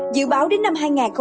dự báo đến năm hai nghìn hai mươi